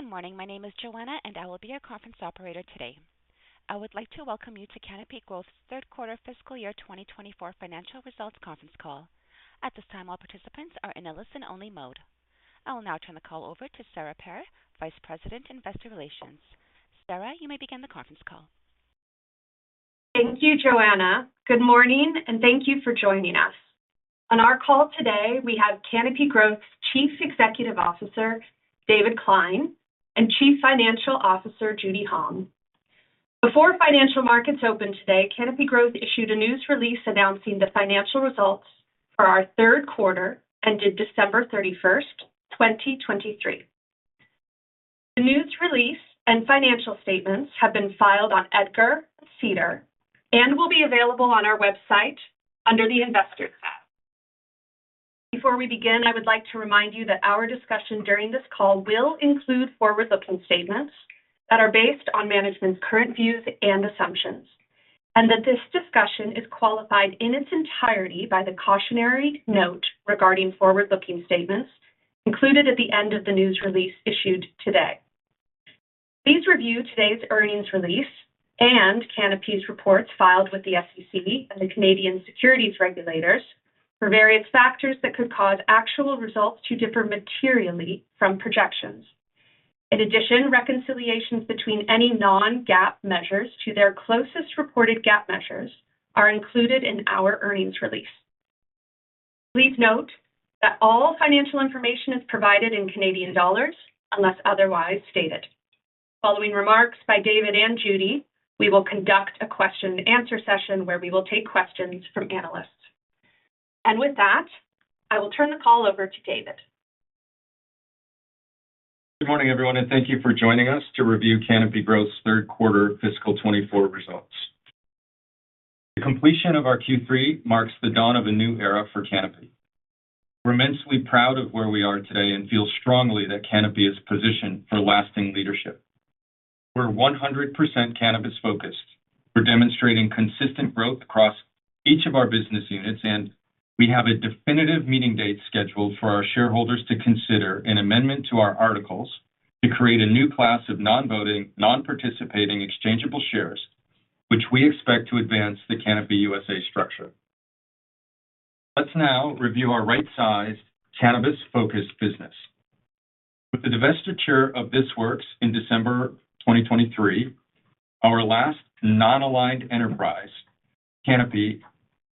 Good morning. My name is Joanna, and I will be your conference operator today. I would like to welcome you to Canopy Growth's Q3 fiscal year 2024 financial results conference call. At this time, all participants are in a listen-only mode. I will now turn the call over to Sarah Paré, Vice President, Investor Relations. Sarah, you may begin the conference call. Thank you, Joanna. Good morning, and thank you for joining us. On our call today, we have Canopy Growth's Chief Executive Officer, David Klein, and Chief Financial Officer, Judy Hong. Before financial markets opened today, Canopy Growth issued a news release announcing the financial results for our Q3, ended December 31, 2023. The news release and financial statements have been filed on EDGAR and SEDAR and will be available on our website under the Investors tab. Before we begin, I would like to remind you that our discussion during this call will include forward-looking statements that are based on management's current views and assumptions, and that this discussion is qualified in its entirety by the cautionary note regarding forward-looking statements included at the end of the news release issued today. Please review today's earnings release and Canopy's reports filed with the SEC and the Canadian securities regulators for various factors that could cause actual results to differ materially from projections. In addition, reconciliations between any non-GAAP measures to their closest reported GAAP measures are included in our earnings release. Please note that all financial information is provided in Canadian dollars, unless otherwise stated. Following remarks by David and Judy, we will conduct a question-and-answer session, where we will take questions from analysts. With that, I will turn the call over to David. Good morning, everyone, and thank you for joining us to review Canopy Growth's Q3 fiscal 2024 results. The completion of our Q3 marks the dawn of a new era for Canopy. We're immensely proud of where we are today and feel strongly that Canopy is positioned for lasting leadership. We're 100% cannabis-focused. We're demonstrating consistent growth across each of our business units, and we have a definitive meeting date scheduled for our shareholders to consider an amendment to our articles to create a new class of non-voting, non-participating exchangeable shares, which we expect to advance the Canopy USA structure. Let's now review our right-sized cannabis-focused business. With the divestiture of This Works in December 2023, our last non-aligned enterprise, Canopy,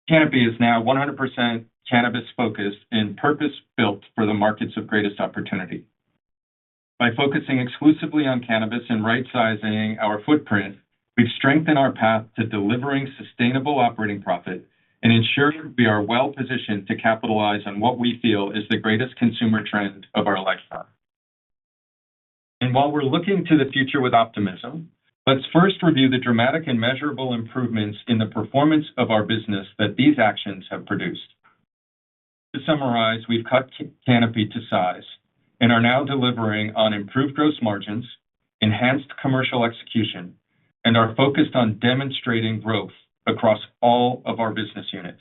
Canopy is now 100% cannabis-focused and purpose-built for the markets of greatest opportunity. By focusing exclusively on cannabis and right-sizing our footprint, we've strengthened our path to delivering sustainable operating profit and ensuring we are well-positioned to capitalize on what we feel is the greatest consumer trend of our lifetime. And while we're looking to the future with optimism, let's first review the dramatic and measurable improvements in the performance of our business that these actions have produced. To summarize, we've cut Canopy to size and are now delivering on improved gross margins, enhanced commercial execution, and are focused on demonstrating growth across all of our business units.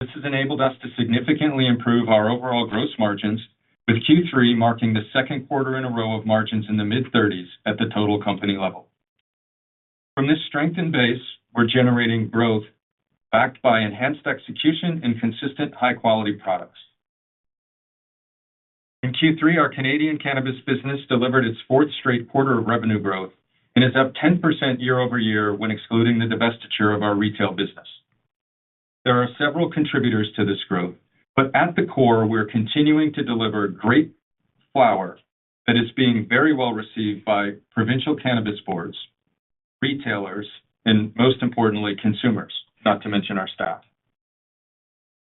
This has enabled us to significantly improve our overall gross margins, with Q3 marking the Q2 in a row of margins in the mid-thirties at the total company level. From this strengthened base, we're generating growth backed by enhanced execution and consistent high-quality products. In Q3, our Canadian cannabis business delivered its fourth straight quarter of revenue growth and is up 10% year-over-year when excluding the divestiture of our retail business. There are several contributors to this growth, but at the core, we're continuing to deliver great flower that is being very well-received by provincial cannabis boards, retailers, and most importantly, consumers, not to mention our staff.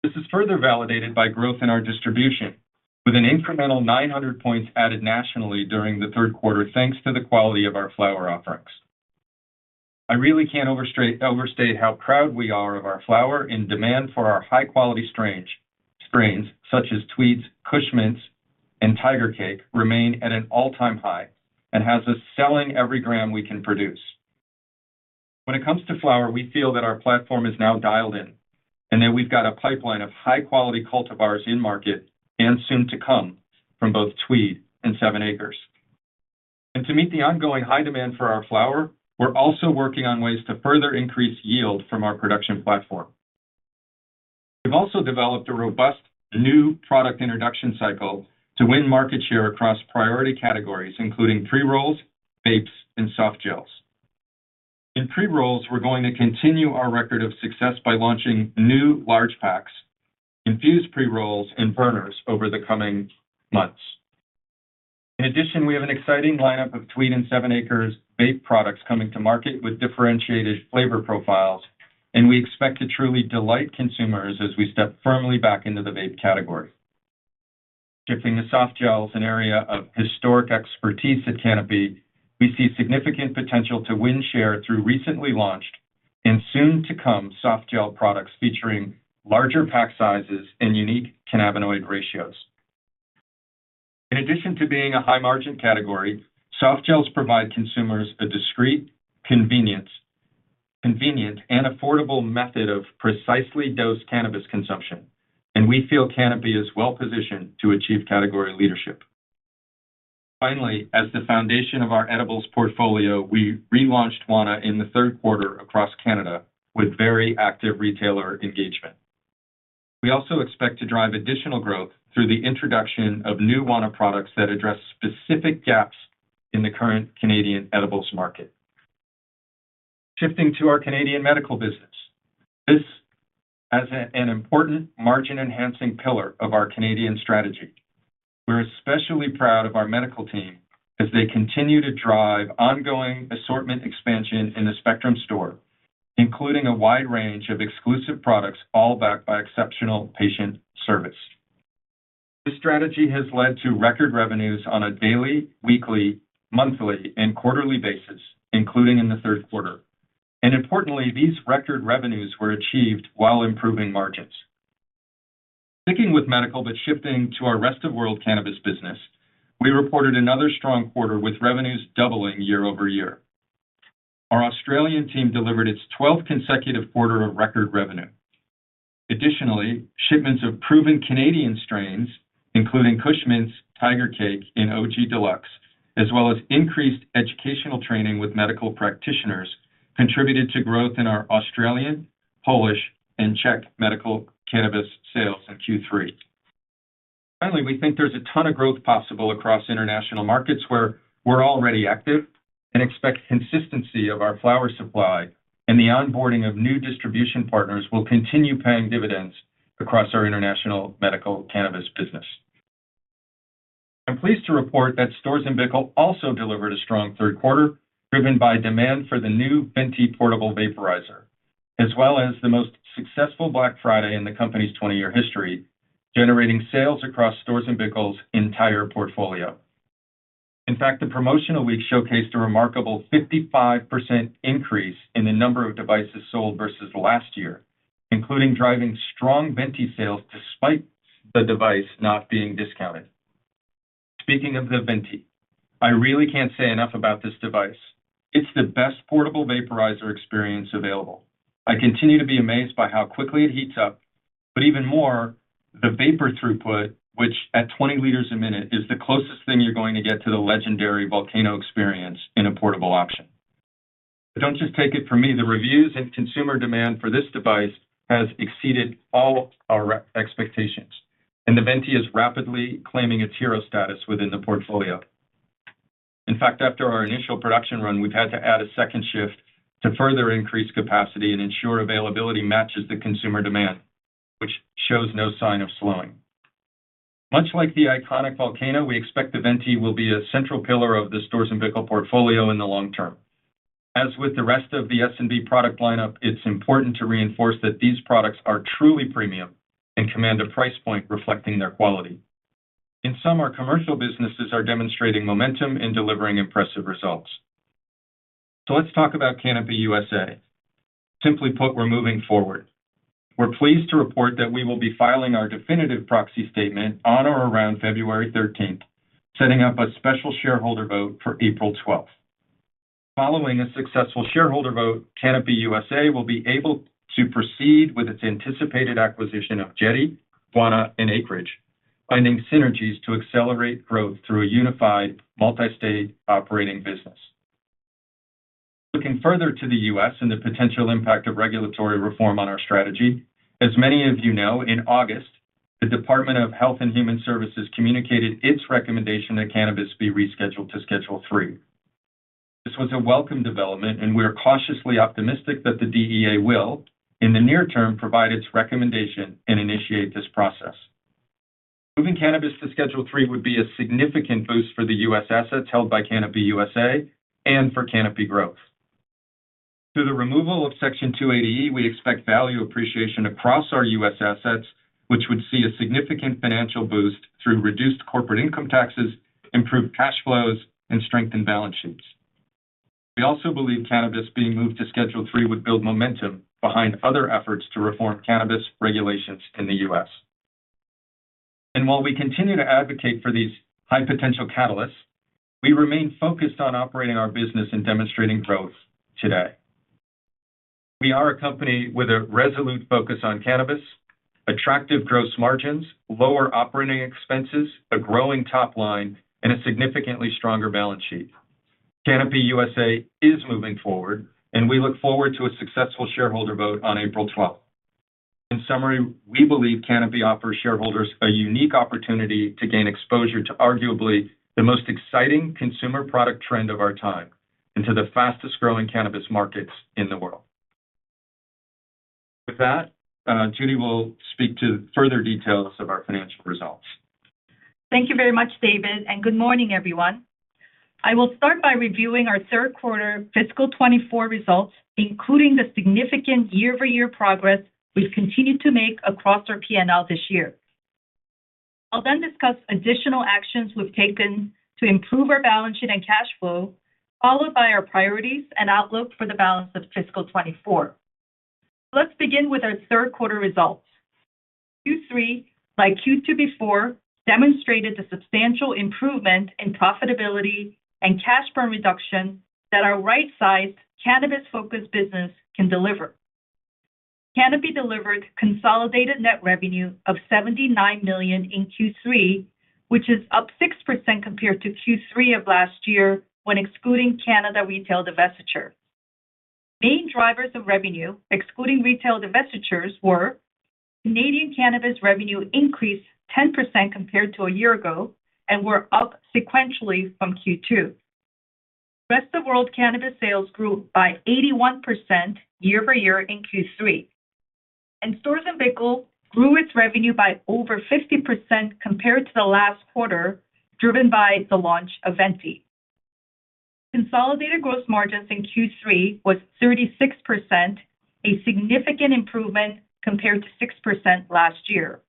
This is further validated by growth in our distribution, with an incremental 900 points added nationally during the Q3, thanks to the quality of our flower offerings. I really can't overstate how proud we are of our flower and demand for our high-quality strains such as Tweed's, Kush Mints, and Tiger Cake remain at an all-time high and has us selling every gram we can produce. When it comes to flower, we feel that our platform is now dialed in, and that we've got a pipeline of high-quality cultivars in market and soon to come from both Tweed and 7ACRES. To meet the ongoing high demand for our flower, we're also working on ways to further increase yield from our production platform. We've also developed a robust new product introduction cycle to win market share across priority categories, including pre-rolls, vapes, and soft gels. In pre-rolls, we're going to continue our record of success by launching new large packs, infused pre-rolls, and burners over the coming months. In addition, we have an exciting lineup of Tweed and 7ACRES vape products coming to market with differentiated flavor profiles, and we expect to truly delight consumers as we step firmly back into the vape category. Shifting to soft gels, an area of historic expertise at Canopy, we see significant potential to win share through recently launched and soon to come soft gel products, featuring larger pack sizes and unique cannabinoid ratios. In addition to being a high-margin category, soft gels provide consumers a discreet, convenient, and affordable method of precisely dosed cannabis consumption, and we feel Canopy is well-positioned to achieve category leadership. Finally, as the foundation of our edibles portfolio, we relaunched Wana in the Q3 across Canada with very active retailer engagement. We also expect to drive additional growth through the introduction of new Wana products that address specific gaps in the current Canadian edibles market. Shifting to our Canadian medical business, this is an important margin-enhancing pillar of our Canadian strategy. We're especially proud of our medical team as they continue to drive ongoing assortment expansion in the Spectrum store, including a wide range of exclusive products, all backed by exceptional patient service. This strategy has led to record revenues on a daily, weekly, monthly, and quarterly basis, including in the Q3. Importantly, these record revenues were achieved while improving margins. Sticking with medical, but shifting to our rest-of-world cannabis business, we reported another strong quarter, with revenues doubling year-over-year. Our Australian team delivered its twelfth consecutive quarter of record revenue. Additionally, shipments of proven Canadian strains, including Kush Mints, Tiger Cake, and OG Deluxe, as well as increased educational training with medical practitioners, contributed to growth in our Australian, Polish, and Czech medical cannabis sales in Q3. Finally, we think there's a ton of growth possible across international markets where we're already active and expect consistency of our flower supply, and the onboarding of new distribution partners will continue paying dividends across our international medical cannabis business. I'm pleased to report that STORZ & BICKEL also delivered a strong Q3, driven by demand for the new VENTY portable vaporizer, as well as the most successful Black Friday in the company's 20-year history, generating sales across STORZ & BICKEL's entire portfolio. In fact, the promotional week showcased a remarkable 55% increase in the number of devices sold versus last year, including driving strong VENTY sales despite the device not being discounted. Speaking of the VENTY, I really can't say enough about this device. It's the best portable vaporizer experience available. I continue to be amazed by how quickly it heats up, but even more, the vapor throughput, which at 20 liters a minute, is the closest thing you're going to get to the legendary Volcano experience in a portable option. But don't just take it from me. The reviews and consumer demand for this device has exceeded all our expectations, and the Venty is rapidly claiming its hero status within the portfolio. In fact, after our initial production run, we've had to add a second shift to further increase capacity and ensure availability matches the consumer demand, which shows no sign of slowing. Much like the iconic Volcano, we expect the Venti will be a central pillar of the Storz & Bickel portfolio in the long term. As with the rest of the S&B product lineup, it's important to reinforce that these products are truly premium and command a price point reflecting their quality. In sum, our commercial businesses are demonstrating momentum and delivering impressive results. So let's talk about Canopy USA. Simply put, we're moving forward. We're pleased to report that we will be filing our definitive proxy statement on or around February thirteenth, setting up a special shareholder vote for April twelfth. Following a successful shareholder vote, Canopy USA will be able to proceed with its anticipated acquisition of Jetty, Wana, and Acreage, finding synergies to accelerate growth through a unified, multi-state operating business. Looking further to the U.S. and the potential impact of regulatory reform on our strategy, as many of you know, in August, the Department of Health and Human Services communicated its recommendation that cannabis be rescheduled to Schedule Three. This was a welcome development, and we are cautiously optimistic that the DEA will, in the near term, provide its recommendation and initiate this process. Moving cannabis to Schedule Three would be a significant boost for the U.S. assets held by Canopy USA and for Canopy Growth. Through the removal of Section 280E, we expect value appreciation across our U.S. assets, which would see a significant financial boost through reduced corporate income taxes, improved cash flows, and strengthened balance sheets. We also believe cannabis being moved to Schedule Three would build momentum behind other efforts to reform cannabis regulations in the U.S. While we continue to advocate for these high-potential catalysts, we remain focused on operating our business and demonstrating growth today. We are a company with a resolute focus on cannabis, attractive gross margins, lower operating expenses, a growing top line, and a significantly stronger balance sheet. Canopy USA is moving forward, and we look forward to a successful shareholder vote on April twelfth. In summary, we believe Canopy offers shareholders a unique opportunity to gain exposure to arguably the most exciting consumer product trend of our time and to the fastest-growing cannabis markets in the world. With that, Judy will speak to further details of our financial results. Thank you very much, David, and good morning, everyone. I will start by reviewing our Q3 fiscal 2024 results, including the significant year-over-year progress we've continued to make across our P&L this year. I'll then discuss additional actions we've taken to improve our balance sheet and cash flow, followed by our priorities and outlook for the balance of fiscal 2024.... Let's begin with our Q3 results. Q3, like Q2 before, demonstrated a substantial improvement in profitability and cash burn reduction that our right-sized cannabis-focused business can deliver. Canopy delivered consolidated net revenue of 79 million in Q3, which is up 6% compared to Q3 of last year when excluding Canada retail divestiture. Main drivers of revenue, excluding retail divestitures, were: Canadian cannabis revenue increased 10% compared to a year ago and were up sequentially from Q2. Rest-of-world cannabis sales grew by 81% year-over-year in Q3, and STORZ & BICKEL grew its revenue by over 50% compared to the last quarter, driven by the launch of VENTY. Consolidated gross margins in Q3 was 36%, a significant improvement compared to 6% last year.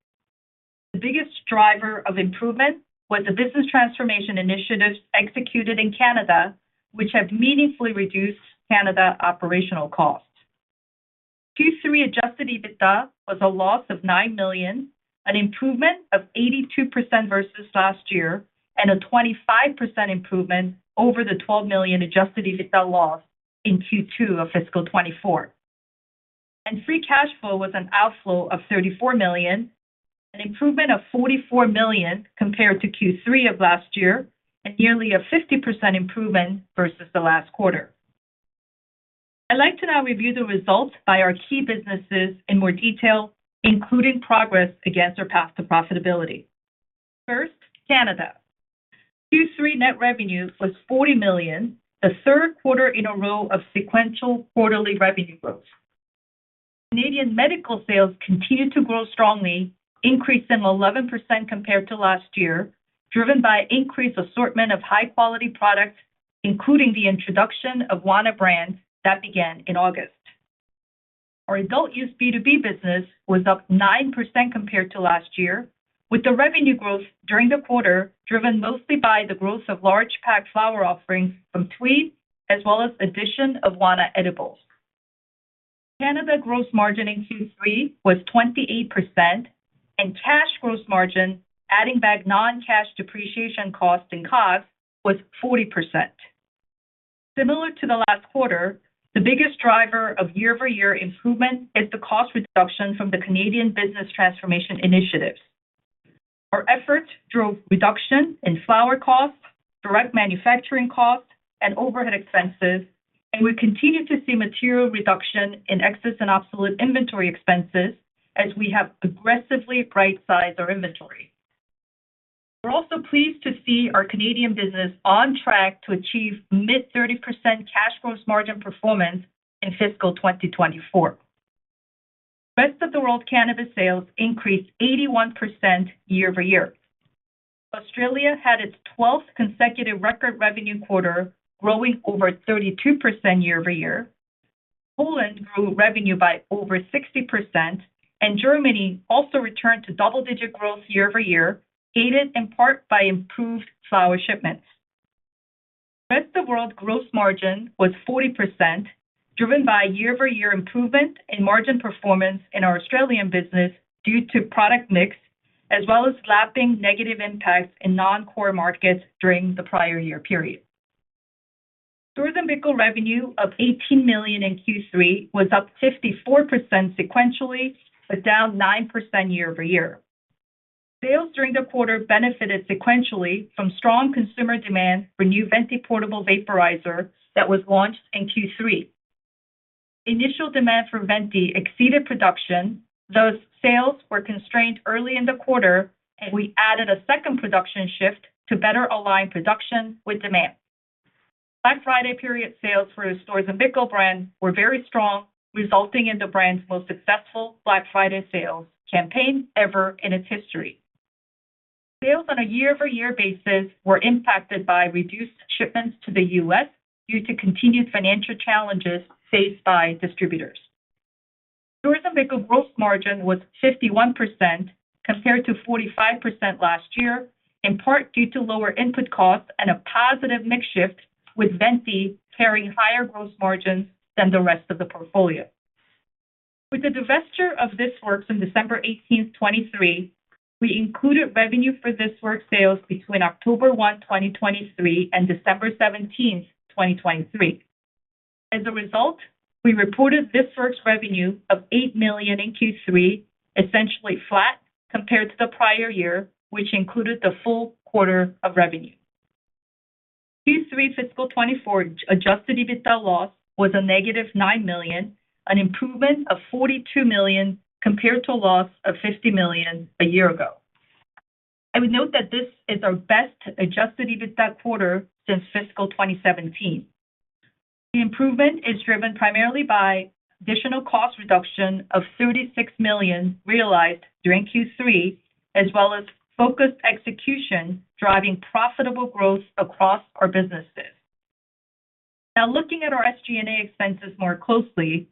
The biggest driver of improvement was the business transformation initiatives executed in Canada, which have meaningfully reduced Canada operational costs. Q3 Adjusted EBITDA was a loss of 9 million, an improvement of 82% versus last year, and a 25% improvement over the 12 million Adjusted EBITDA loss in Q2 of fiscal 2024. Free cash flow was an outflow of 34 million, an improvement of 44 million compared to Q3 of last year, and nearly a 50% improvement versus the last quarter. I'd like to now review the results by our key businesses in more detail, including progress against our path to profitability. First, Canada. Q3 net revenue was 40 million, the Q3 in a row of sequential quarterly revenue growth. Canadian medical sales continued to grow strongly, increasing 11% compared to last year, driven by increased assortment of high-quality products, including the introduction of Doja brands that began in August. Our adult-use B2B business was up 9% compared to last year, with the revenue growth during the quarter driven mostly by the growth of large packed flower offerings from Tweed, as well as addition of Doja edibles. Canada gross margin in Q3 was 28%, and cash gross margin, adding back non-cash depreciation cost and costs, was 40%. Similar to the last quarter, the biggest driver of year-over-year improvement is the cost reduction from the Canadian business transformation initiatives. Our efforts drove reduction in flower costs, direct manufacturing costs, and overhead expenses, and we continue to see material reduction in excess and obsolete inventory expenses as we have aggressively right-sized our inventory. We're also pleased to see our Canadian business on track to achieve mid-30% cash gross margin performance in fiscal 2024. Rest of the World cannabis sales increased 81% year over year. Australia had its 12th consecutive record revenue quarter, growing over 32% year over year. Poland grew revenue by over 60%, and Germany also returned to double-digit growth year over year, aided in part by improved flower shipments. Rest of the World gross margin was 40%, driven by year-over-year improvement in margin performance in our Australian business due to product mix, as well as lapping negative impacts in non-core markets during the prior year period. STORZ & BICKEL revenue of 18 million in Q3 was up 54% sequentially, but down 9% year-over-year. Sales during the quarter benefited sequentially from strong consumer demand for new VENTY portable vaporizer that was launched in Q3. Initial demand for VENTY exceeded production, thus sales were constrained early in the quarter, and we added a second production shift to better align production with demand. Black Friday period sales for the STORZ & BICKEL brand were very strong, resulting in the brand's most successful Black Friday sales campaign ever in its history. Sales on a year-over-year basis were impacted by reduced shipments to the U.S. due to continued financial challenges faced by distributors. STORZ & BICKEL gross margin was 51%, compared to 45% last year, in part due to lower input costs and a positive mix shift, with VENTY carrying higher gross margins than the rest of the portfolio. With the divestiture of This Works on 18 December 2023, we included revenue for This Works sales between 1 October 2023 and 17 December 2023. As a result, we reported This Works revenue of 8 million in Q3, essentially flat compared to the prior year, which included the full quarter of revenue. Q3 fiscal 2024 Adjusted EBITDA loss was a negative 9 million, an improvement of 42 million compared to a loss of 50 million a year ago. I would note that this is our best adjusted EBITDA quarter since fiscal 2017. The improvement is driven primarily by additional cost reduction of 36 million realized during Q3, as well as focused execution, driving profitable growth across our businesses. Now, looking at our SG&A expenses more closely,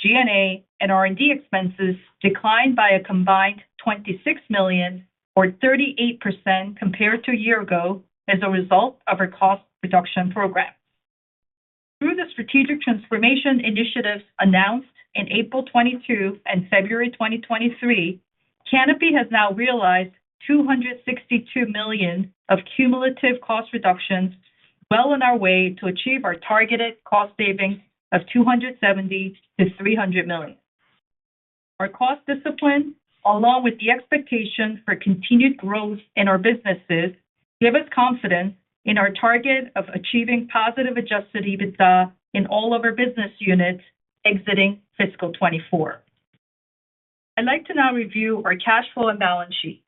selling and marketing, G&A, and R&D expenses declined by a combined 26 million, or 38% compared to a year ago as a result of our cost reduction program. Through the strategic transformation initiatives announced in April 2022 and February 2023, Canopy has now realized 262 million of cumulative cost reductions, well on our way to achieve our targeted cost savings of 270 million-300 million. Our cost discipline, along with the expectation for continued growth in our businesses, give us confidence in our target of achieving positive Adjusted EBITDA in all of our business units exiting fiscal 2024. I'd like to now review our cash flow and balance sheet.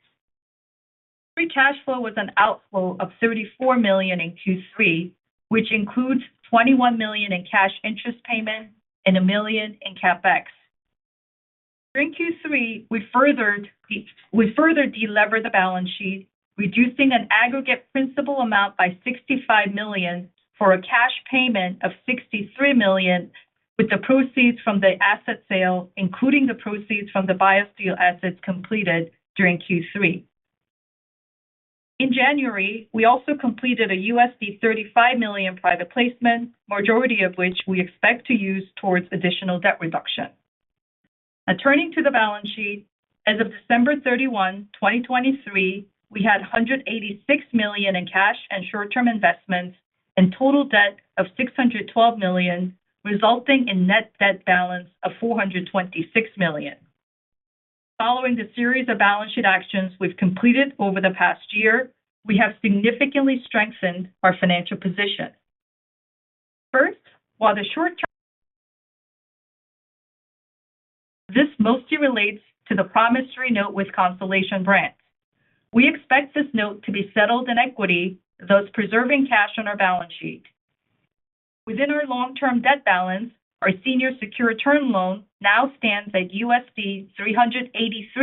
Free cash flow was an outflow of 34 million in Q3, which includes 21 million in cash interest payments and 1 million in CapEx. During Q3, we further de-lever the balance sheet, reducing an aggregate principal amount by 65 million, for a cash payment of 63 million, with the proceeds from the asset sale, including the proceeds from the biofuel assets completed during Q3. In January, we also completed a $35 million private placement, majority of which we expect to use towards additional debt reduction. Now, turning to the balance sheet, as of 31 December 2023, we had 186 million in cash and short-term investments, and total debt of 612 million, resulting in net debt balance of 426 million. Following the series of balance sheet actions we've completed over the past year, we have significantly strengthened our financial position. First, while the short-term... This mostly relates to the promissory note with Constellation Brands. We expect this note to be settled in equity, thus preserving cash on our balance sheet. Within our long-term debt balance, our senior secure term loan now stands at $383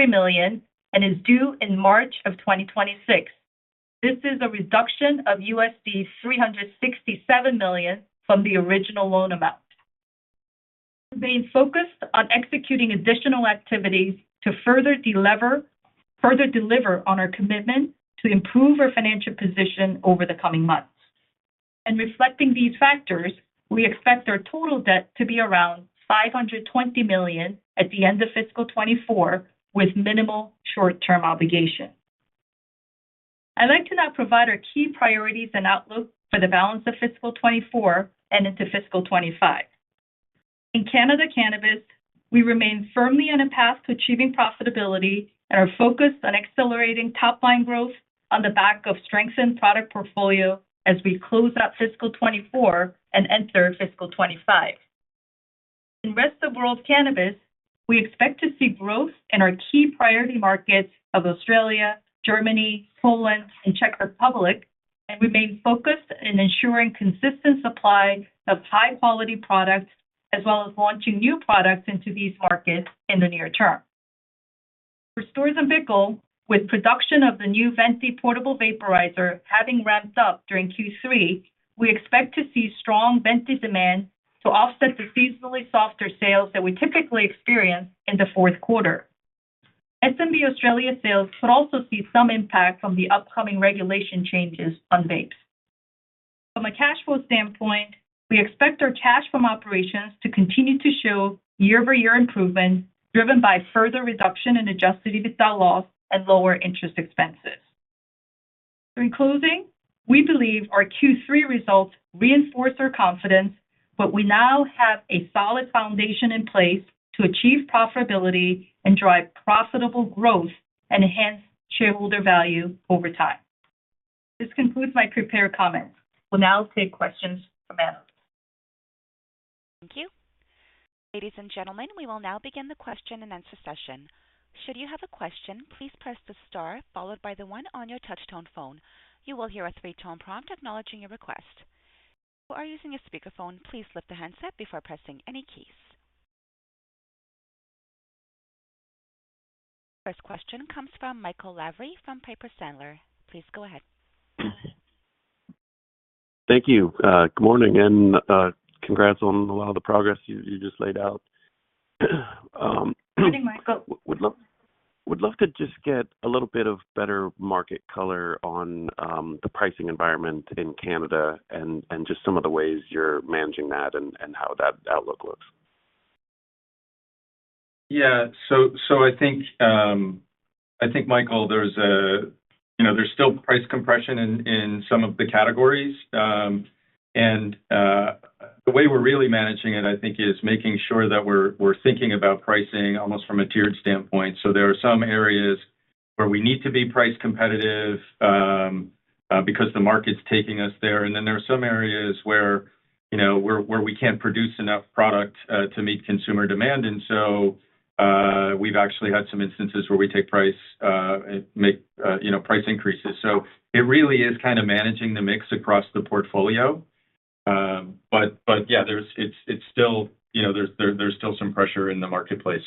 million and is due in March 2026. This is a reduction of $367 million from the original loan amount. We remain focused on executing additional activities to further deliver on our commitment to improve our financial position over the coming months. Reflecting these factors, we expect our total debt to be around 520 million at the end of fiscal 2024, with minimal short-term obligation. I'd like to now provide our key priorities and outlook for the balance of fiscal 2024 and into fiscal 2025. In Canada Cannabis, we remain firmly on a path to achieving profitability and are focused on accelerating top-line growth on the back of strengthened product portfolio as we close out fiscal 2024 and enter fiscal 2025. In Rest of World Cannabis, we expect to see growth in our key priority markets of Australia, Germany, Poland, and Czech Republic, and remain focused in ensuring consistent supply of high-quality products, as well as launching new products into these markets in the near term. For STORZ & BICKEL, with production of the new VENTY portable vaporizer having ramped up during Q3, we expect to see strong VENTY demand to offset the seasonally softer sales that we typically experience in the Q4. S&B Australia sales could also see some impact from the upcoming regulation changes on vapes. From a cash flow standpoint, we expect our cash from operations to continue to show year-over-year improvement, driven by further reduction in adjusted EBITDA loss and lower interest expenses. In closing, we believe our Q3 results reinforce our confidence that we now have a solid foundation in place to achieve profitability and drive profitable growth and enhance shareholder value over time. This concludes my prepared comments. We'll now take questions from analysts. Thank you. Ladies and gentlemen, we will now begin the question-and-answer session. Should you have a question, please press the star followed by the one on your touch-tone phone. You will hear a three-tone prompt acknowledging your request. If you are using a speakerphone, please lift the handset before pressing any keys. First question comes from Michael Lavery from Piper Sandler. Please go ahead. Thank you. Good morning, and congrats on a lot of the progress you just laid out. Good morning, Michael. Would love, would love to just get a little bit of better market color on the pricing environment in Canada and just some of the ways you're managing that and how that outlook looks. Yeah. So I think, Michael, you know, there's still price compression in some of the categories. And the way we're really managing it, I think, is making sure that we're thinking about pricing almost from a tiered standpoint. So there are some areas where we need to be price competitive because the market's taking us there, and then there are some areas where, you know, where we can't produce enough product to meet consumer demand. And so we've actually had some instances where we take price and make, you know, price increases. So it really is kind of managing the mix across the portfolio. But yeah, it's still, you know, there's still some pressure in the marketplace.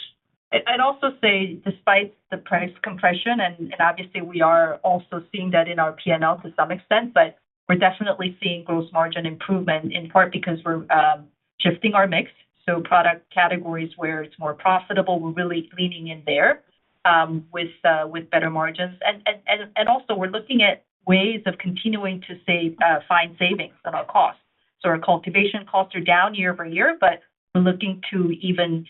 I'd also say, despite the price compression, and obviously we are also seeing that in our PNL to some extent, but we're definitely seeing gross margin improvement, in part because we're shifting our mix, so product categories where it's more profitable, we're really leaning in there with better margins. And also we're looking at ways of continuing to save, find savings on our costs. So our cultivation costs are down year-over-year, but we're looking to even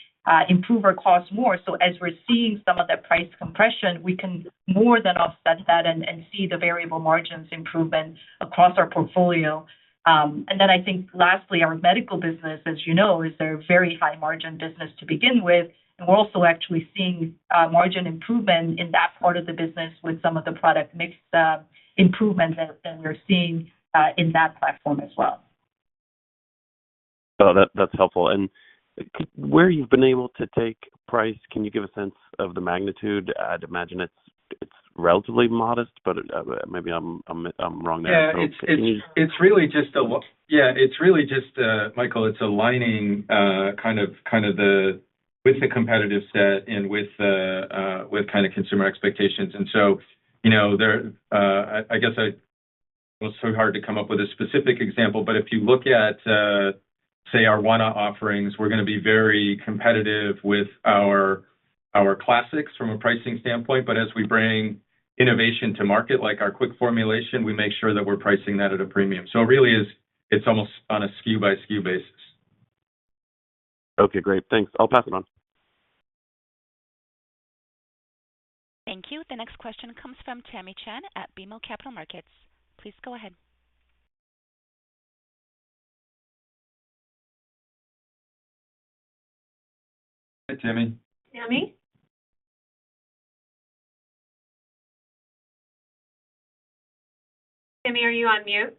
improve our costs more. So as we're seeing some of the price compression, we can more than offset that and see the variable margins improvement across our portfolio. And then I think lastly, our medical business, as you know, is a very high margin business to begin with, and we're also actually seeing margin improvement in that part of the business with some of the product mix improvements that we're seeing in that platform as well. Oh, that's helpful. And where you've been able to take price, can you give a sense of the magnitude? I'd imagine it's relatively modest, but maybe I'm wrong there. Yeah. So can you- It's really just, Michael, it's aligning kind of with the competitive set and with kind of consumer expectations. And so, you know, there, I guess I... It's so hard to come up with a specific example, but if you look at, say, our Wana offerings, we're gonna be very competitive with our classics from a pricing standpoint. But as we bring innovation to market, like our quick formulation, we make sure that we're pricing that at a premium. So it really is, it's almost on a SKU by SKU basis. Okay, great. Thanks. I'll pass it on. Thank you. The next question comes from Tamy Chen at BMO Capital Markets. Please go ahead. Hi, Tamy. Tamy? Tamy, are you on mute?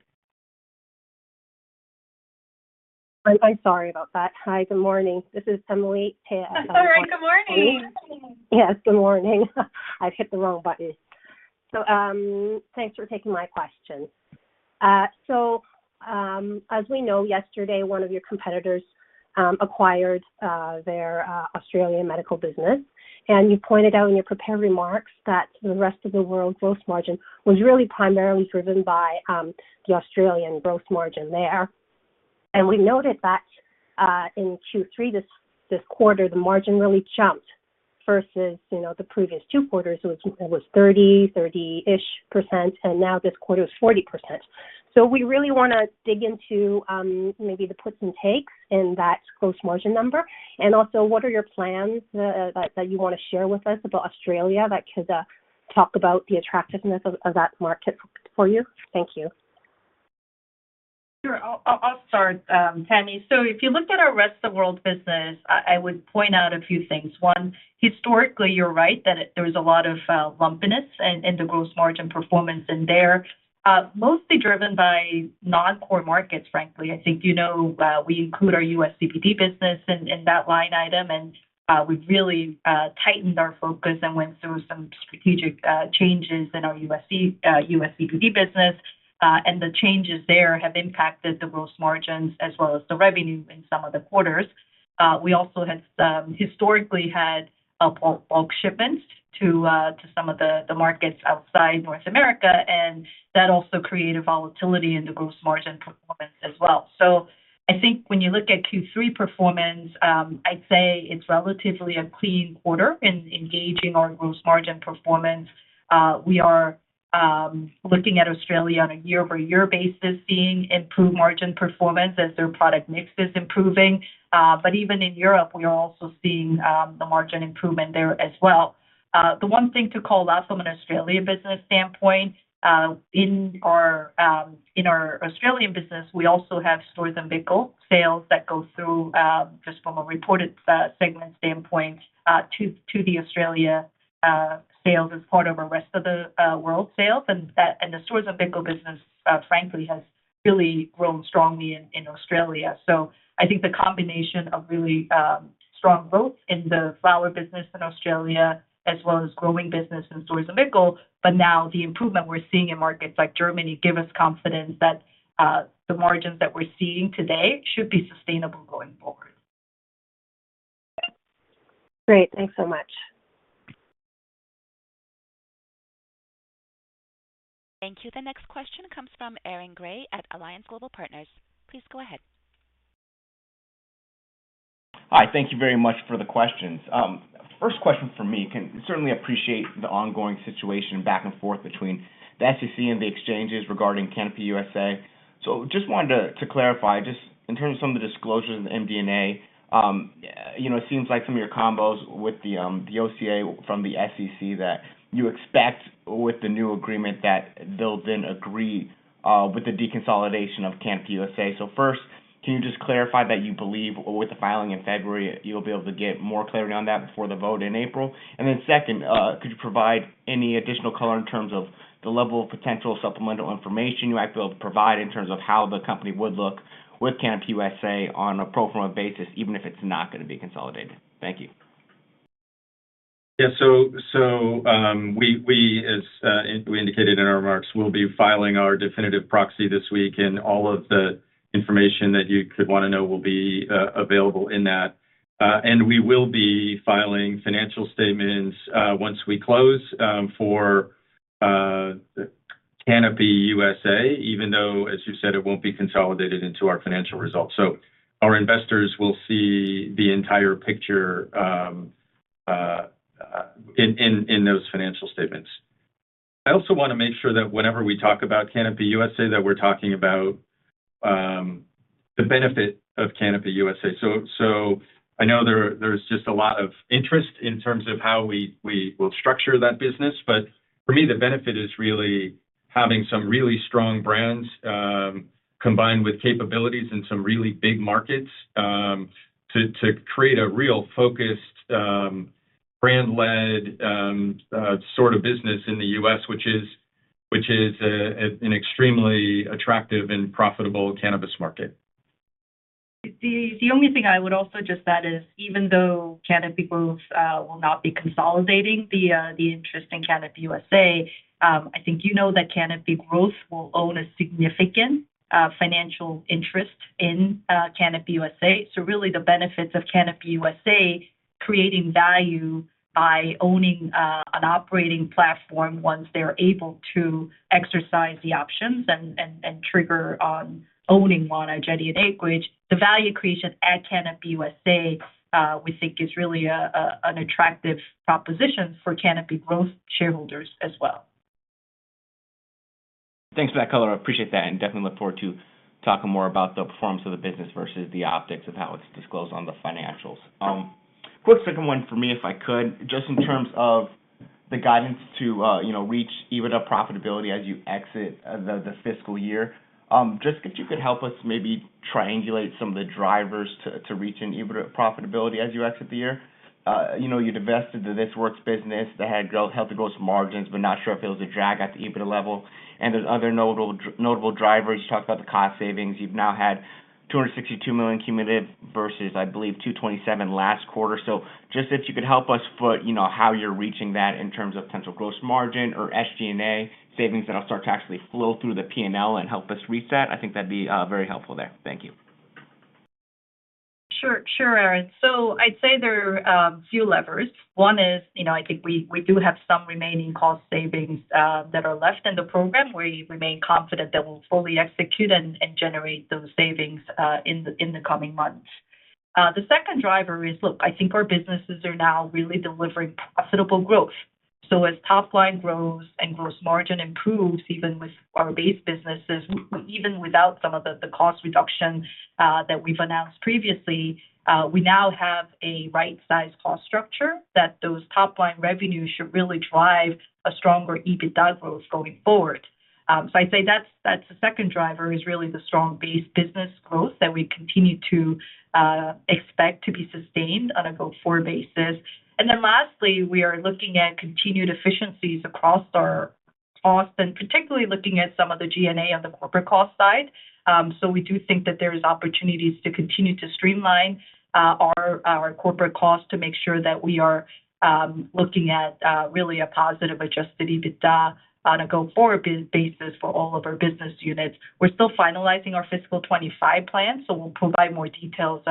I'm sorry about that. Hi, good morning. This is Tamy Chen. Good morning. Yes, good morning. I've hit the wrong button. So, thanks for taking my question. So, as we know, yesterday, one of your competitors acquired their Australian medical business, and you pointed out in your prepared remarks that the rest of the world gross margin was really primarily driven by the Australian gross margin there. And we noted that in Q3 this quarter, the margin really jumped versus, you know, the previous two quarters, which was 30, 30-ish%, and now this quarter is 40%. So we really wanna dig into maybe the puts and takes in that gross margin number. And also, what are your plans that you wanna share with us about Australia that could talk about the attractiveness of that market for you? Thank you. Sure. I'll start, Tamy. So if you look at our rest of world business, I would point out a few things. One, historically, you're right, that there was a lot of lumpiness in the gross margin performance in there, mostly driven by non-core markets, frankly. I think you know, we include our US CBD business in that line item, and we've really tightened our focus and went through some strategic changes in our US CBD business. And the changes there have impacted the gross margins as well as the revenue in some of the quarters. We also had, historically had, bulk shipments to some of the markets outside North America, and that also created volatility in the gross margin performance as well. So I think when you look at Q3 performance, I'd say it's relatively a clean quarter in engaging our gross margin performance. We are looking at Australia on a year-over-year basis, seeing improved margin performance as their product mix is improving. But even in Europe, we are also seeing the margin improvement there as well. The one thing to call out from an Australian business standpoint, in our Australian business, we also have Storz & Bickel sales that go through, just from a reported segment standpoint, to the Australian sales as part of our rest of the world sales. And that, and the stores and vehicle business, frankly, has really grown strongly in Australia. So I think the combination of really, strong growth in the flower business in Australia, as well as growing business in Storz & Bickel, but now the improvement we're seeing in markets like Germany, give us confidence that, the margins that we're seeing today should be sustainable going forward. Great. Thanks so much. Thank you. The next question comes from Aaron Gray at Alliance Global Partners. Please go ahead. Hi, thank you very much for the questions. First question from me, I can certainly appreciate the ongoing situation back and forth between the SEC and the exchanges regarding Canopy USA. So just wanted to clarify, just in terms of some of the disclosures in the MD&A, you know, it seems like some of your comments with the OCA from the SEC, that you expect with the new agreement, that they'll then agree with the deconsolidation of Canopy USA. So first, can you just clarify that you believe with the filing in February, you'll be able to get more clarity on that before the vote in April? And then second, could you provide any additional color in terms of the level of potential supplemental information you might be able to provide in terms of how the company would look with Canopy USA on a pro forma basis, even if it's not gonna be consolidated? Thank you. Yeah. So, as we indicated in our remarks, we'll be filing our definitive proxy this week, and all of the information that you could wanna know will be available in that. And we will be filing financial statements once we close for Canopy USA, even though, as you said, it won't be consolidated into our financial results. So our investors will see the entire picture in those financial statements. I also want to make sure that whenever we talk about Canopy USA, that we're talking about the benefit of Canopy USA. So I know there's just a lot of interest in terms of how we will structure that business. But for me, the benefit is really having some really strong brands, combined with capabilities in some really big markets, to create a real focused, brand-led, sort of business in the U.S., which is an extremely attractive and profitable cannabis market. The only thing I would also just add is, even though Canopy Growth will not be consolidating the interest in Canopy USA, I think you know that Canopy Growth will own a significant financial interest in Canopy USA. So really, the benefits of Canopy USA creating value by owning an operating platform once they are able to exercise the options and trigger on owning Wana, Jetty and Acreage. The value creation at Canopy USA, we think is really an attractive proposition for Canopy Growth shareholders as well. Thanks for that color. I appreciate that, and definitely look forward to talking more about the performance of the business versus the optics of how it's disclosed on the financials. Quick second one for me, if I could. Just in terms of the guidance to, you know, reach EBITDA profitability as you exit the, the fiscal year. Just if you could help us maybe triangulate some of the drivers to, to reach an EBITDA profitability as you exit the year. You know, you divested the This Works business that had growth, helped the growth margins, but not sure if it was a drag at the EBITDA level. And there's other notable, notable drivers. You talked about the cost savings. You've now had 262 million cumulative versus, I believe, 227 million last quarter. Just if you could help us for, you know, how you're reaching that in terms of potential gross margin or SG&A savings that'll start to actually flow through the PNL and help us reset. I think that'd be very helpful there. Thank you. Sure, sure, Aaron. So I'd say there are a few levers. One is, you know, I think we do have some remaining cost savings that are left in the program, where we remain confident that we'll fully execute and generate those savings in the coming months. The second driver is, look, I think our businesses are now really delivering profitable growth. So as top line grows and gross margin improves, even with our base businesses, even without some of the cost reduction that we've announced previously, we now have a right-sized cost structure that those top-line revenues should really drive a stronger EBITDA growth going forward. So I'd say that's the second driver, is really the strong base business growth that we continue to expect to be sustained on a go-forward basis. Then lastly, we are looking at continued efficiencies across our costs, and particularly looking at some of the G&A on the corporate cost side. So we do think that there's opportunities to continue to streamline our corporate costs to make sure that we are looking at really a positive adjusted EBITDA on a go-forward basis for all of our business units. We're still finalizing our fiscal 2025 plans, so we'll provide more details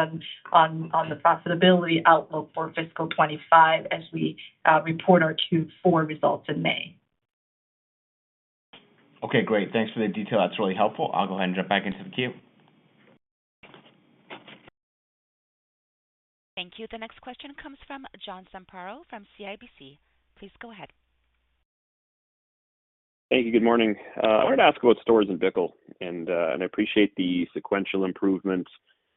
on the profitability outlook for fiscal 2025 as we report our Q4 results in May. Okay, great. Thanks for the detail. That's really helpful. I'll go ahead and jump back into the queue. Thank you. The next question comes from John Zamparo from CIBC. Please go ahead. Thank you. Good morning. I wanted to ask about STORZ & BICKEL, and, and I appreciate the sequential improvements.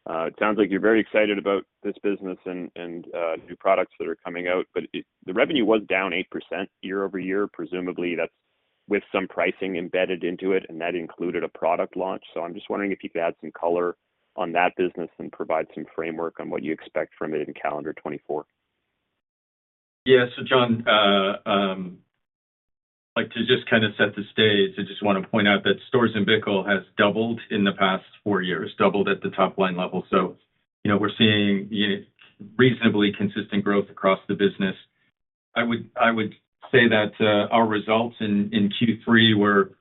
It sounds like you're very excited about this business and, and, new products that are coming out, but it... The revenue was down 8% year-over-year. Presumably, that's with some pricing embedded into it, and that included a product launch. So I'm just wondering if you could add some color on that business and provide some framework on what you expect from it in calendar 2024. Yeah. So, John, like to just kind of set the stage. I just want to point out that STORZ & BICKEL has doubled in the past four years, doubled at the top line level. So, you know, we're seeing reasonably consistent growth across the business. I would, I would say that our results in Q3 were,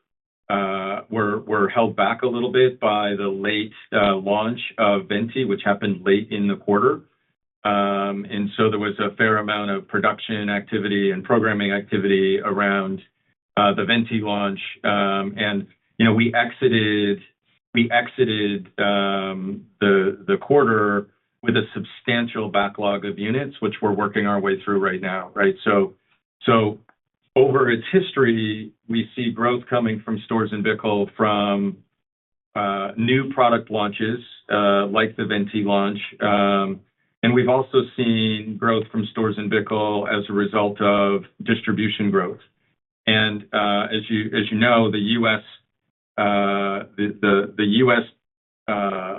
were, were held back a little bit by the late launch of VENTY, which happened late in the quarter. And so there was a fair amount of production activity and programming activity around the VENTY launch. And, you know, we exited, we exited the quarter with a substantial backlog of units, which we're working our way through right now. Right? So, so over its history, we see growth coming from STORZ & BICKEL, from new product launches, like the VENTY launch. And we've also seen growth from STORZ & BICKEL as a result of distribution growth. And, as you know, the U.S.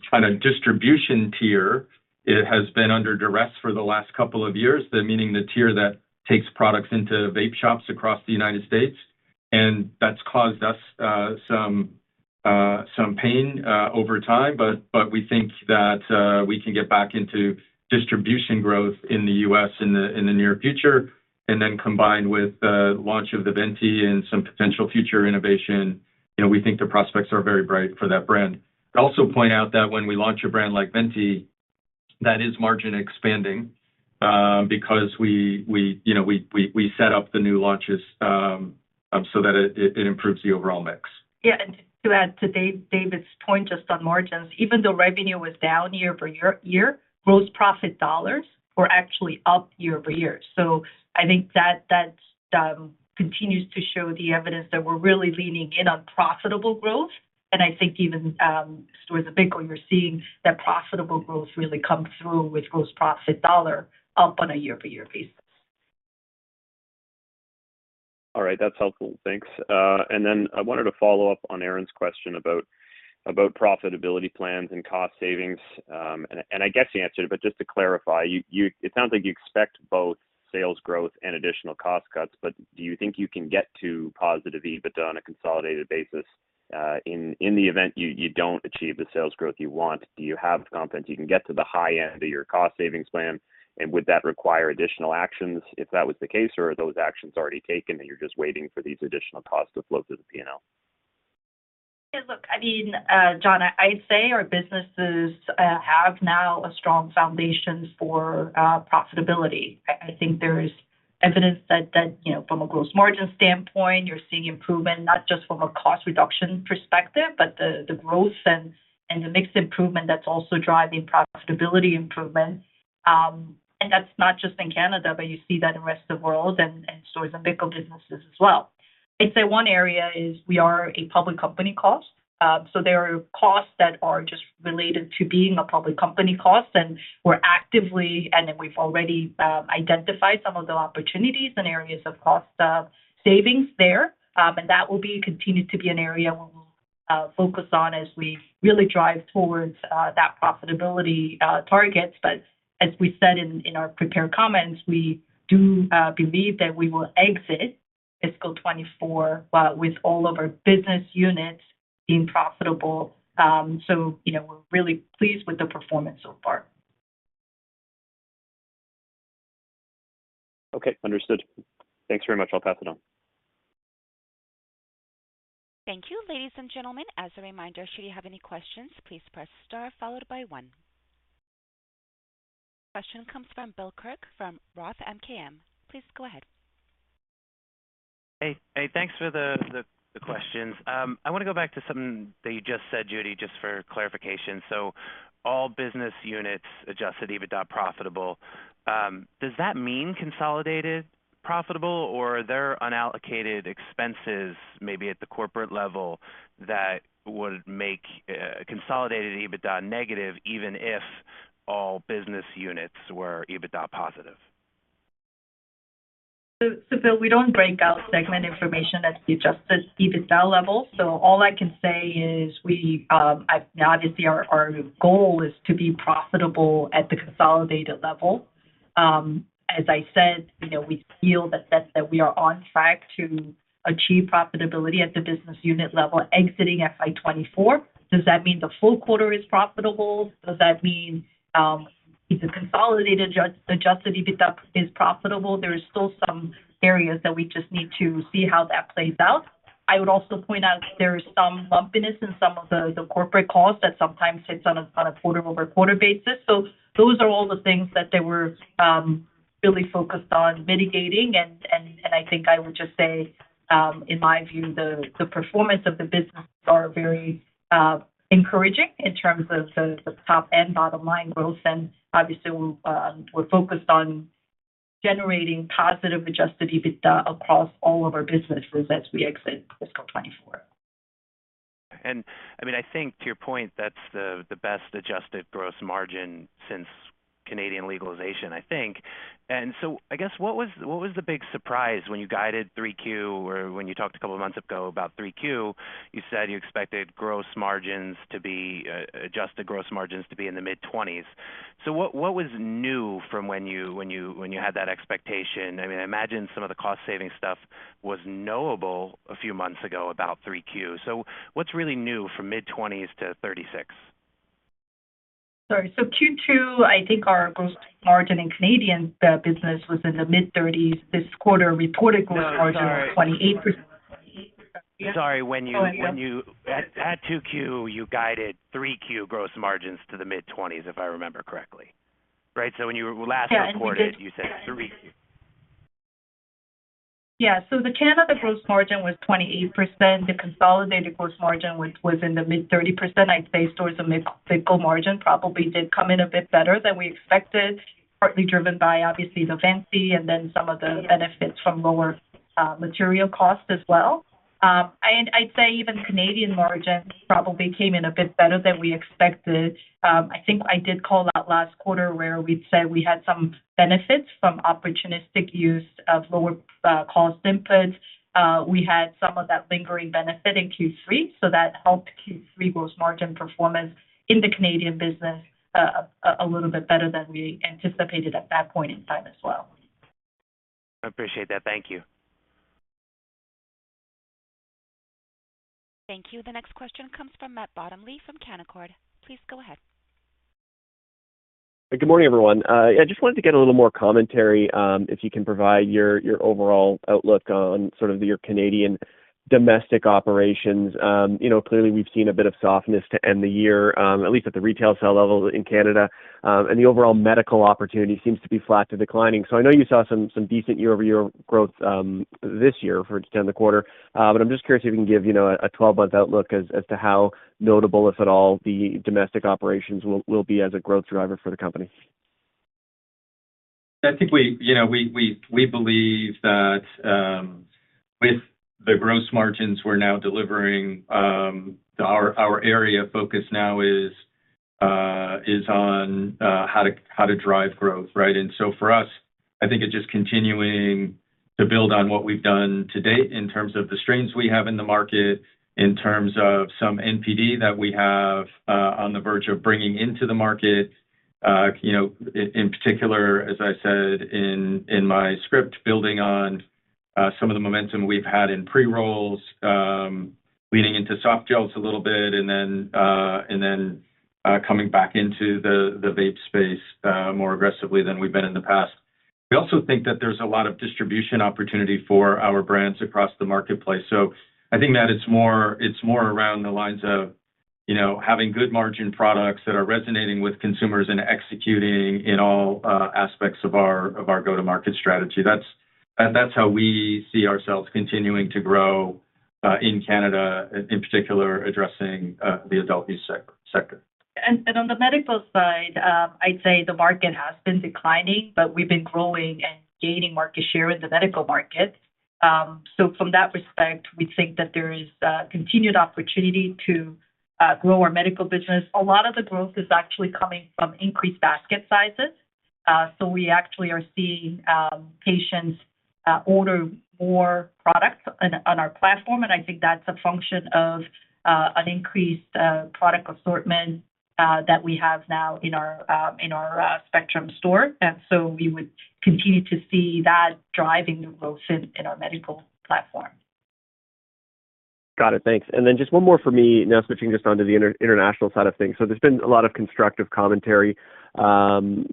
kind of distribution tier, it has been under duress for the last couple of years. Meaning the tier that takes products into vape shops across the United States, and that's caused us some pain over time. But we think that we can get back into distribution growth in the U.S. in the near future, and then combined with the launch of the VENTY and some potential future innovation, you know, we think the prospects are very bright for that brand. I'd also point out that when we launch a brand like VENTY-... that is margin expanding, because we, you know, we set up the new launches, so that it improves the overall mix. Yeah, and to add to David's point, just on margins, even though revenue was down year-over-year, gross profit dollars were actually up year-over-year. So I think that continues to show the evidence that we're really leaning in on profitable growth. And I think even Storz & Bickel, you're seeing that profitable growth really come through with gross profit dollar up on a year-over-year basis. All right, that's helpful. Thanks. And then I wanted to follow up on Aaron's question about profitability plans and cost savings. And I guess you answered, but just to clarify, you it sounds like you expect both sales growth and additional cost cuts, but do you think you can get to positive EBITDA on a consolidated basis, in the event you don't achieve the sales growth you want? Do you have confidence you can get to the high end of your cost savings plan? And would that require additional actions if that was the case, or are those actions already taken, and you're just waiting for these additional costs to flow through the P&L? Yeah, look, I mean, John, I'd say our businesses have now a strong foundation for profitability. I think there is evidence that you know, from a gross margin standpoint, you're seeing improvement, not just from a cost reduction perspective, but the growth and the mix improvement that's also driving profitability improvement. And that's not just in Canada, but you see that in the rest of the world and Storz & Bickel businesses as well. I'd say one area is we are a public company cost. So there are costs that are just related to being a public company cost, and we're actively... And then we've already identified some of the opportunities and areas of cost savings there. That will be continued to be an area where we'll focus on as we really drive towards that profitability targets. But as we said in our prepared comments, we do believe that we will exit fiscal 2024 with all of our business units being profitable. So, you know, we're really pleased with the performance so far. Okay, understood. Thanks very much. I'll pass it on. Thank you. Ladies and gentlemen, as a reminder, should you have any questions, please press Star followed by one. Question comes from Bill Kirk from Roth MKM. Please go ahead. Hey, hey, thanks for the questions. I wanna go back to something that you just said, Judy, just for clarification. So all business units Adjusted EBITDA profitable. Does that mean consolidated profitable, or are there unallocated expenses maybe at the corporate level that would make consolidated EBITDA negative, even if all business units were EBITDA positive? So, Bill, we don't break out segment information at the Adjusted EBITDA level, so all I can say is we, obviously, our goal is to be profitable at the consolidated level. As I said, you know, we feel that we are on track to achieve profitability at the business unit level, exiting FY 2024. Does that mean the full quarter is profitable? Does that mean, if the consolidated Adjusted EBITDA is profitable? There is still some areas that we just need to see how that plays out. I would also point out there is some lumpiness in some of the corporate costs that sometimes sits on a quarter-over-quarter basis. So those are all the things that they were really focused on mitigating. I think I would just say, in my view, the performance of the business are very encouraging in terms of the top and bottom line growth. And obviously, we're focused on generating positive Adjusted EBITDA across all of our businesses as we exit fiscal 2024. I mean, I think to your point, that's the best adjusted gross margin since Canadian legalization, I think. So I guess, what was the big surprise when you guided 3Q, or when you talked a couple of months ago about 3Q? You said you expected gross margins to be adjusted gross margins to be in the mid-20s. So what was new from when you had that expectation? I mean, I imagine some of the cost-saving stuff was knowable a few months ago, about 3Q. So what's really new from mid-20s to 36? Sorry. So Q2, I think our gross margin in Canadian business was in the mid-30s%. This quarter, reported gross margin was 28%. Sorry, when you- Oh, yeah. When you had 2Q, you guided 3Q gross margins to the mid-20s, if I remember correctly. Right? So when you last reported- Yeah... you said 3 Q. Yeah. So the Canada gross margin was 28%. The consolidated gross margin, which was in the mid-30%, I'd say towards the mid-30s margin, probably did come in a bit better than we expected, partly driven by obviously the fancy and then some of the benefits from lower material costs as well. And I'd say even Canadian margins probably came in a bit better than we expected. I think I did call out last quarter, where we said we had some benefits from opportunistic use of lower cost inputs. We had some of that lingering benefit in Q3, so that helped Q3 gross margin performance in the Canadian business, a little bit better than we anticipated at that point in time as well. I appreciate that. Thank you. Thank you. The next question comes from Matt Bottomley from Canaccord. Please go ahead. Good morning, everyone. I just wanted to get a little more commentary, if you can provide your, your overall outlook on sort of your Canadian domestic operations. You know, clearly we've seen a bit of softness to end the year, at least at the retail sale level in Canada. And the overall medical opportunity seems to be flat to declining. So I know you saw some, some decent year-over-year growth, this year for just end the quarter. But I'm just curious if you can give, you know, a 12-month outlook as, as to how notable, if at all, the domestic operations will, will be as a growth driver for the company. I think, you know, we believe that with the gross margins we're now delivering, our area of focus now is on how to drive growth, right? And so for us, I think it's just continuing to build on what we've done to date in terms of the strains we have in the market, in terms of some NPD that we have on the verge of bringing into the market. You know, in particular, as I said in my script, building on some of the momentum we've had in pre-rolls, leading into soft gels a little bit, and then coming back into the vape space more aggressively than we've been in the past. We also think that there's a lot of distribution opportunity for our brands across the marketplace. So I think that it's more, it's more around the lines of, you know, having good margin products that are resonating with consumers and executing in all aspects of our, of our go-to-market strategy. That's how we see ourselves continuing to grow in Canada, in particular, addressing the adult-use sector. And on the medical side, I'd say the market has been declining, but we've been growing and gaining market share in the medical market. So from that respect, we think that there is a continued opportunity to grow our medical business. A lot of the growth is actually coming from increased basket sizes. So we actually are seeing patients order more products on our platform, and I think that's a function of an increased product assortment that we have now in our Spectrum store. And so we would continue to see that driving the growth in our medical platform. Got it. Thanks. And then just one more for me, now switching just on to the international side of things. So there's been a lot of constructive commentary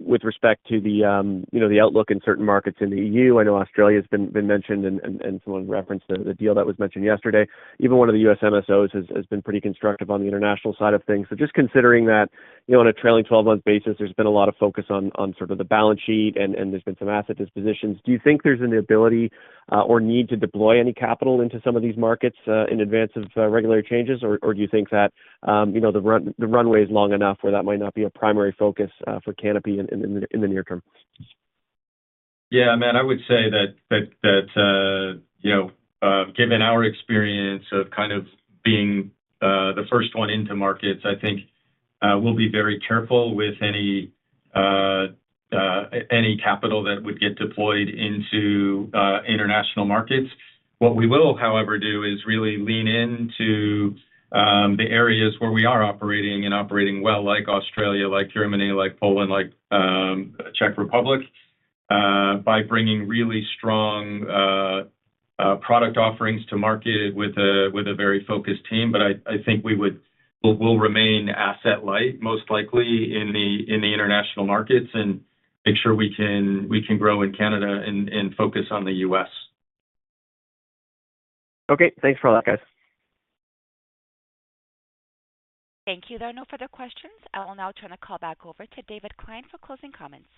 with respect to the, you know, the outlook in certain markets in the EU. I know Australia's been mentioned, and someone referenced the deal that was mentioned yesterday. Even one of the U.S. MSOs has been pretty constructive on the international side of things. So just considering that, you know, on a trailing-twelve-month basis, there's been a lot of focus on sort of the balance sheet and there's been some asset dispositions. Do you think there's an ability or need to deploy any capital into some of these markets in advance of regulatory changes? Or do you think that, you know, the run... The runway is long enough where that might not be a primary focus for Canopy in the near term? Yeah, Matt, I would say that, you know, given our experience of kind of being the first one into markets, I think we'll be very careful with any capital that would get deployed into international markets. What we will, however, do is really lean into the areas where we are operating and operating well, like Australia, like Germany, like Poland, like Czech Republic, by bringing really strong product offerings to market with a very focused team. But I think we would... We'll remain asset light, most likely in the international markets and make sure we can grow in Canada and focus on the US. Okay. Thanks for all that, guys. Thank you. There are no further questions. I will now turn the call back over to David Klein for closing comments.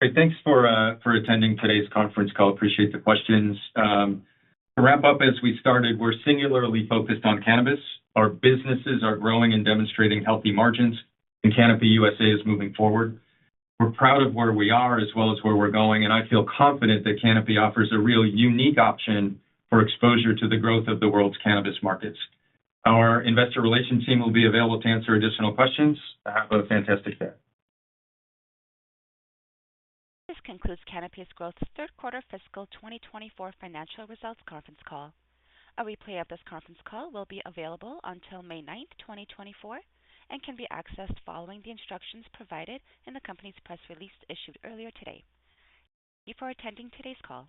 Great. Thanks for attending today's conference call. Appreciate the questions. To wrap up, as we started, we're singularly focused on cannabis. Our businesses are growing and demonstrating healthy margins, and Canopy USA is moving forward. We're proud of where we are as well as where we're going, and I feel confident that Canopy offers a really unique option for exposure to the growth of the world's cannabis markets. Our investor relations team will be available to answer additional questions. Have a fantastic day. This concludes Canopy Growth's Q3 fiscal 2024 financial results conference call. A replay of this conference call will be available until 9 May 2024, and can be accessed following the instructions provided in the company's press release issued earlier today. Thank you for attending today's call.